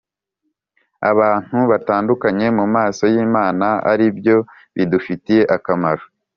abantu batanduye mu maso y Imana ari byo bidufitiye akamaro